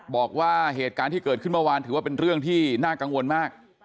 บอกว่าเหตุการณ์ที่เกิดขึ้นเมื่อวานถือว่าเป็นเรื่องที่น่ากังวลมาก